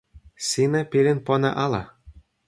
sina pilin pona ala.